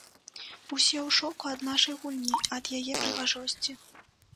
Усе ў шоку ад нашай гульні, ад яе прыгажосці.